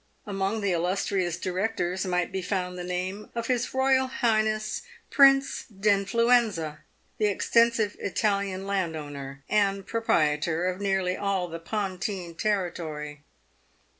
Among the illustrious directors might be found the name of his Royal Highness Prince d'lnfluenza, the extensive Italian landowner, and proprietor of nearly all the Pontine territory.